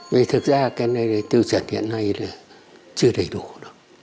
vì thực ra cái này tiêu chuẩn hiện nay là chưa đầy đủ được